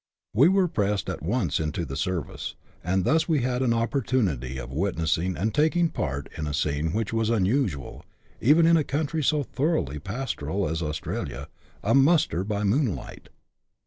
We were pressed at once into the service, and thus we had an opportunity of witness ing, and taking part in, a scene which was unusual, even in a country so thoroughly pastoral as Australia — a "muster by moonlight."